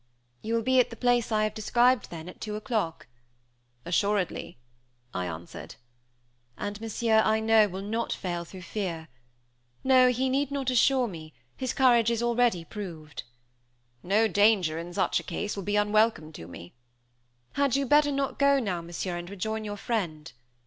"You will be at the place I have described, then, at two o'clock?" "Assuredly," I answered. "And Monsieur, I know, will not fail through fear. No, he need not assure me; his courage is already proved." "No danger, in such a case, will be unwelcome to me." "Had you not better go now, Monsieur, and rejoin your friend?"